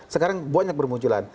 sekarang banyak bermunculan